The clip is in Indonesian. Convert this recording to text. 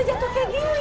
kau nyampak itu